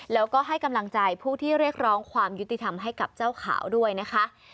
แล้วก็ให้กำลังใจผู้ที่เรียกร้องความยุติธรรมให้กับเจ้าขาวด้วยนะคะ